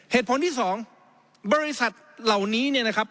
เหตุผลที่สองบริษัทเหล่านี้เนี่ยนะครับ